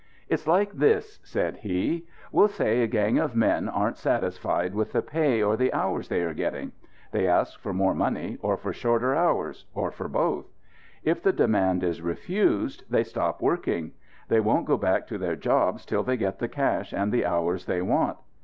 "It's like this," said he. "We'll say a gang of men aren't satisfied with the pay or the hours they are getting. They asked for more money or for shorter hours; or for both. If the demand is refused, they stop working. They won't go back to their jobs till they get the cash and the hours they want.